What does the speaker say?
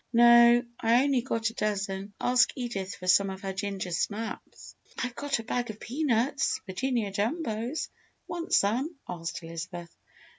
"No I only got a dozen. Ask Edith for some of her ginger snaps." "I've got a bag of peanuts Virginia Jumbos. Want some?" asked Elizabeth.